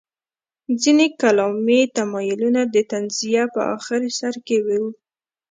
ځینې کلامي تمایلونه د تنزیه په اخر سر کې وو.